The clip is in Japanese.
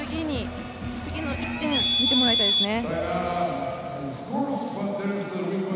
次の１点、見てもらいたいですね。